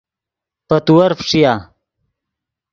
پے تیور فݯیا